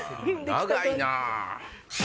長いな。